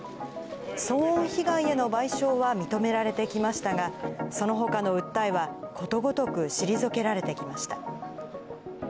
騒音被害への賠償は認められてきましたが、そのほかの訴えは、ことごとく退けられてきました。